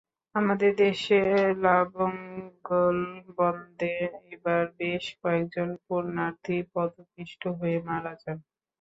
আমাদের দেশে লাঙ্গলবন্দে এবার বেশ কয়েকজন পুণ্যার্থী পদপিষ্ট হয়ে মারা যান।